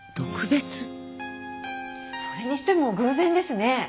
それにしても偶然ですね。